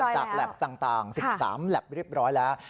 จากแล็ปต่าง๑๓แล็ปเรียบร้อยแล้ว